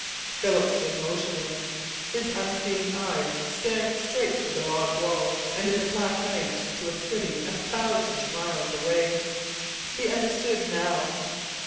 Philip stood motionless, his unseeing eyes staring straight through the log walls and the black night to a city a thousand miles away. He understood now.